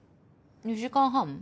２時間半？